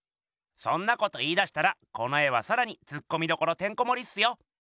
そんなこと言いだしたらこの絵はさらにツッコミどころてんこもりっすよ。